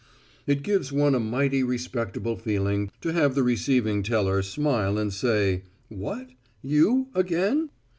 It gives one a mighty respectable feeling to have the receiving teller smile and say, "What you again?"